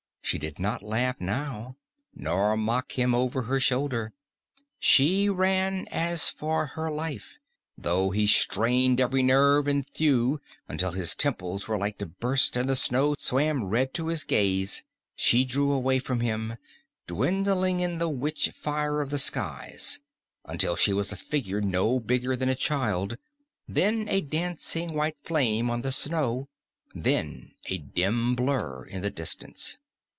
She did not laugh now, nor mock him over her shoulder. She ran as for her life, and though he strained every nerve and thew, until his temples were like to burst and the snow swam red to his gaze, she drew away from him, dwindling in the witch fire of the skies, until she was a figure no bigger than a child, then a dancing white flame on the snow, then a dim blur in the distance.